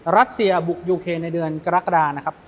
รัสเซียบุกยูเคนในเดือนกรกฎานะครับ